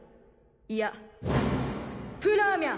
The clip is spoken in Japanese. いやプラーミャ！